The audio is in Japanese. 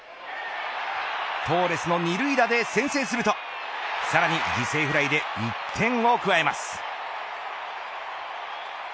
トーレスの２塁打で先制するとさらに犠牲フライで１点を加えます。